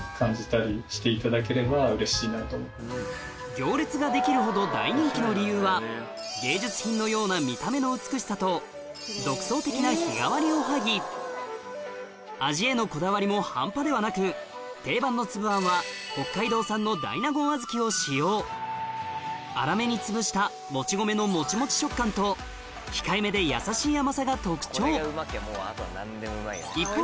行列ができるほど大人気の理由は芸術品のような見た目の美しさと独創的な日替わりおはぎ味へのこだわりも半端ではなく定番のつぶあんは粗めにつぶしたもち米のもちもち食感と控えめで優しい甘さが特徴一方